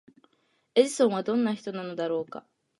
エジソンはどんな人なのだろうか？